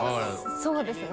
そうですね。